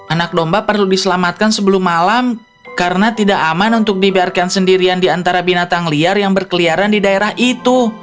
anak domba perlu diselamatkan sebelum malam karena tidak aman untuk dibiarkan sendirian di antara binatang liar yang berkeliaran di daerah itu